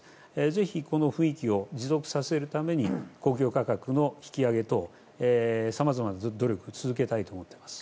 ぜひこの雰囲気を持続させるために公共価格の引き上げ等さまざまな努力を続けたいと思ってます。